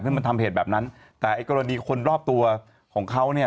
ซึ่งมันทำเหตุแบบนั้นแต่ไอ้กรณีคนรอบตัวของเขาเนี่ย